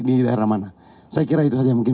di daerah mana saya kira itu saja mungkin